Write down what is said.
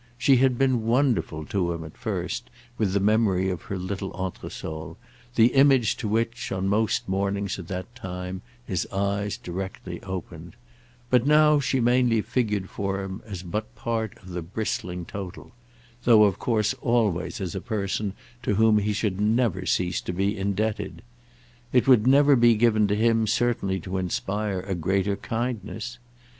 She had been wonderful to him at first, with the memory of her little entresol, the image to which, on most mornings at that time, his eyes directly opened; but now she mainly figured for him as but part of the bristling total—though of course always as a person to whom he should never cease to be indebted. It would never be given to him certainly to inspire a greater kindness.